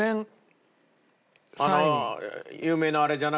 有名なあれじゃなくて？